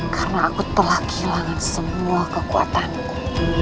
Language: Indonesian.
karena aku telah kehilangan semua kekuatanku